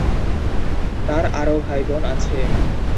তার আরও ভাই-বোন আছে।